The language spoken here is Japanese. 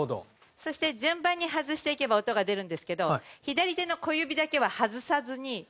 そして順番に外していけば音が出るんですけど左手の小指だけは外さずにこういきます。